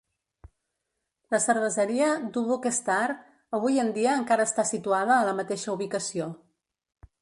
La cerveseria Dubuque Star avui en dia encara està situada a la mateixa ubicació.